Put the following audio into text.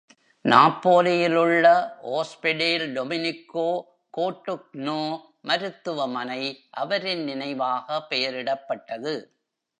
நாப்போலியில் உள்ள "ஓஸ்பெடேல் டொமினிகோ கோட்டுக்னோ" மருத்துவமனை அவரின் நினைவாக பெயரிடப்பட்டது.